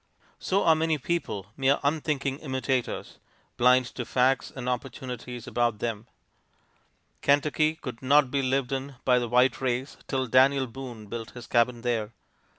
So are many people mere unthinking imitators, blind to facts and opportunities about them. Kentucky could not be lived in by the white race till Daniel Boone built his cabin there.